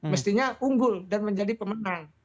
mestinya unggul dan menjadi pemenang